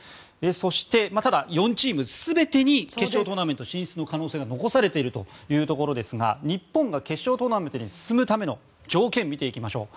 そして、ただ、４チーム全てに決勝トーナメント進出の可能性が残されているというところですが日本が決勝トーナメントに進むための条件を見ていきましょう。